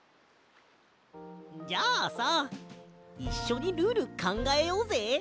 じゃあさいっしょにルールかんがえようぜ！